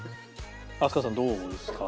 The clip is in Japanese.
飛鳥さんどうですか？